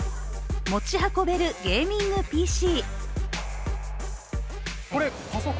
持ち運べるゲーミングＰＣ。